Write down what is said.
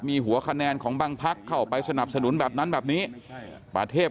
มีหัวคะแนนของบางพักเข้าไปสนับสนุนแบบนั้นแบบนี้ประเทศ